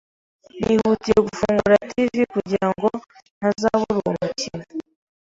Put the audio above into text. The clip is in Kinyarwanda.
Nihutiye gufungura TV kugirango ntazabura uwo mukino.